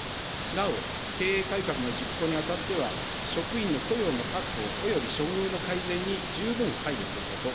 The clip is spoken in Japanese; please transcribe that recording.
なお、経営改革の実行にあたっては、職員の雇用の確保および処遇の改善に十分配慮すること。